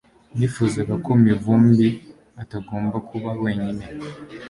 Nifuzaga ko Mivumbi atagomba kuba wenyine